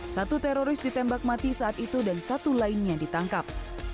satu teroris ditembak mati saat itu dan satu lainnya ditangkap